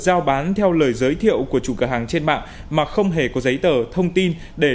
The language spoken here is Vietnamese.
giao bán theo lời giới thiệu của chủ cửa hàng trên mạng mà không hề có giấy tờ thông tin để